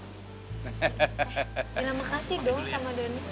terima kasih dong sama denny